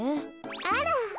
あら。